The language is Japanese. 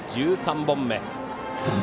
１３本目。